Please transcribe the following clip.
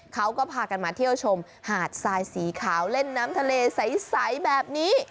เขาก็พากันมาเที่ยวชมหาดทรายสีขาวเล่นน้ำทะเลใสแบบนี้